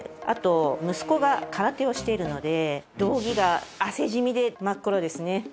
あと息子が空手をしているので道着が汗染みで真っ黒ですね。